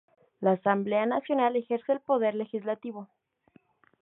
La Asamblea Nacional ejerce el poder legislativo.